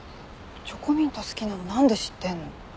チョコミント好きなの何で知ってんの？